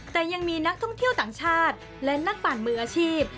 แต่ยังมีนักท่องเที่ยวต่างชาติและนักปั่นมืออาชีพ